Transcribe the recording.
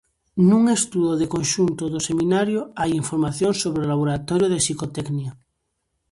Nun estudo de conxunto do Seminario, hai información sobre o "Laboratorio de Psicotecnia".